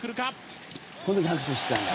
この時拍手してたんだ。